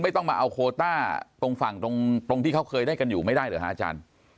ต้องมาเอาโคต้าตรงฝั่งตรงที่เขาเคยได้กันอยู่ไม่ได้เหรอฮะอาจารย์